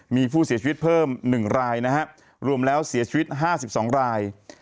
มีผู้เสียชีวิตเพิ่ม๑รายนะครับรวมแล้วเสียชีวิต๕๒ราย